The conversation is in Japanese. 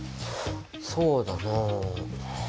そうだな。